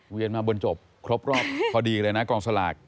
เวียนมาเบือนจบครบพอดีเลยนะกลองสลาก